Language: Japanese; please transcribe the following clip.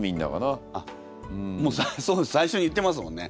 あっもう最初に言ってますもんね